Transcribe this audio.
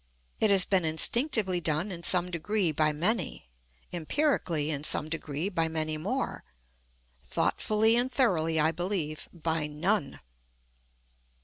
It has been instinctively done in some degree by many, empirically in some degree by many more; thoughtfully and thoroughly, I believe, by none.